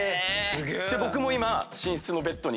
僕も今。